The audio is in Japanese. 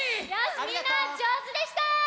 みんなじょうずでした！